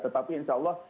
tetapi insya allah